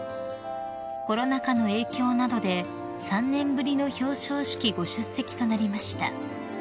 ［コロナ禍の影響などで３年ぶりの表彰式ご出席となりました］